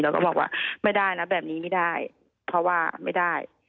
แล้วก็บอกว่าไม่ได้นะแบบนี้ไม่ได้เพราะว่าไม่ได้